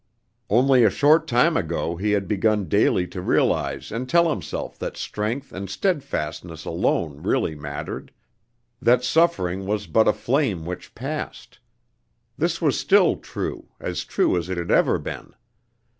Only a short time ago he had begun daily to realize and tell himself that strength and steadfastness alone really mattered; that suffering was but a flame which passed. This was still true, as true as it had ever been.